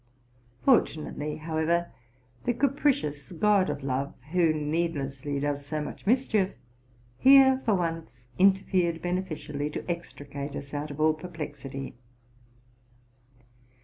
Fortunately, however, the capricious god of love, who needlessly does so much mischief, here for once interfered beneficially, to extricate us out of all perplexity.